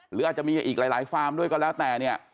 หรืออาจจะมีอีกหลายฟาร์มด้วยก็แล้วแต่เนี่ย